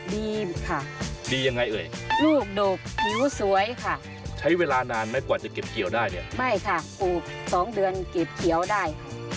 ดีค่ะดียังไงเอ่ยลูกดกผิวสวยค่ะใช้เวลานานไหมกว่าจะเก็บเกี่ยวได้เนี่ยไม่ค่ะปลูกสองเดือนเก็บเขียวได้ค่ะ